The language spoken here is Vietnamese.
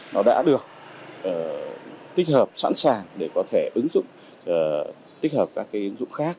nó đã được tích hợp sẵn sàng để có thể ứng dụng tích hợp các cái ứng dụng khác